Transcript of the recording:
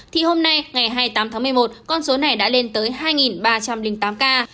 thì hôm nay ngày hai mươi tám tháng một mươi một con số này đã lên tới hai ba trăm linh tám ca